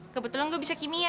kebetulan gue bisa kimia